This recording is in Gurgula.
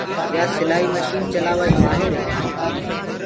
يآ سِلآئي مشن چلآوآ ڪيٚ مآهر هي۔